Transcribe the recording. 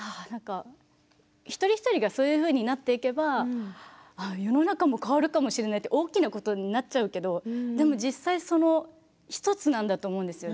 一人一人がそういうふうになっていけば世の中も変わるかもしれないと大きなことになっちゃうけどでも実際１つなんだと思うんですよ